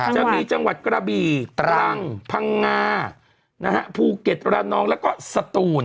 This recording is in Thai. จะมีจังหวัดกระบี่ตรังพังงาภูเก็ตระนองแล้วก็สตูน